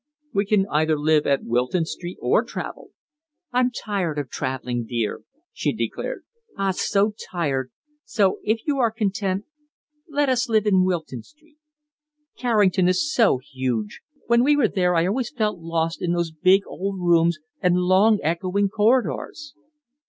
We can either live at Wilton Street, or travel." "I'm tired of travelling, dear," she declared. "Ah, so tired! So, if you are content, let us live in Wilton Street. Carrington is so huge. When we were there I always felt lost in those big old rooms and long, echoing corridors."